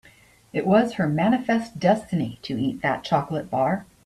It was her manifest destiny to eat that chocolate bar.